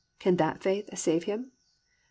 Can that faith save him?" (Jas.